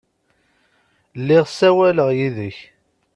Lliɣ ssawaleɣ yid-k.